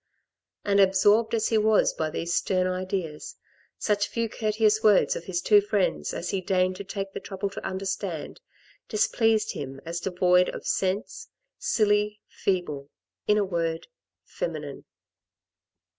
And absorbed as he was by these stern ideas, such few courteous words of his two friends as he deigned to take the trouble to understand, displeased him as devoid of sense, silly, feeble, in a word — feminine.